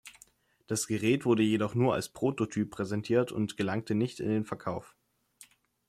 Das Gerät wurde jedoch nur als Prototyp präsentiert und gelangte nicht in den Verkauf.